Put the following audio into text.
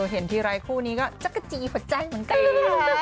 เห็นทีรายคู่นี้ก็จั๊กจีประใจเหมือนกัน